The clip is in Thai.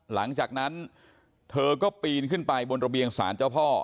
หลังจากนั้นเธอก็ปีนขึ้นไปบนระเบียงศาลเจ้าพ่อ